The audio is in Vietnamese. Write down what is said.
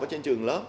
ở trên trường lớp